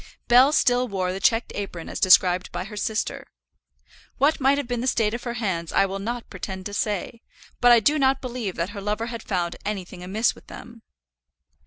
Bell still wore the checked apron as described by her sister. What might have been the state of her hands I will not pretend to say; but I do not believe that her lover had found anything amiss with them.